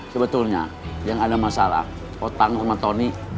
sebetulnya yang ada masalah otang sama tony